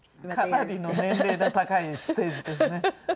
かなりの年齢の高いステージですね。